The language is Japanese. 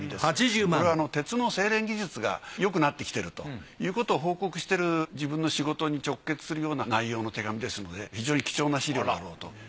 これは鉄の製錬技術がよくなってきてるということを報告している自分の仕事に直結するような内容の手紙ですので非常に貴重な資料だろうと。